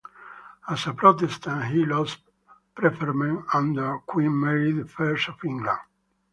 As a Protestant, he lost preferment under Queen Mary the First of England.